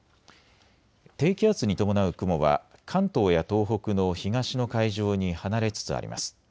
低気圧に伴う雲は関東や東北の東の海上に離れつつあります。